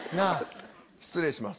失礼します。